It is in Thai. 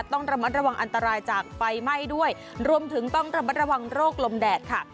ต้องระมัดระวังอันตรายจากไฟไหม้ด้วยรวมถึงต้องระมัดระวังโรคลมแดดค่ะ